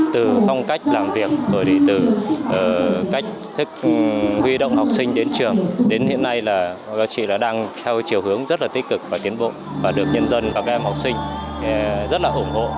từ phong cách làm việc rồi từ cách thức huy động học sinh đến trường đến hiện nay là các chị đang theo chiều hướng rất là tích cực và tiến bộ và được nhân dân các em học sinh rất là ủng hộ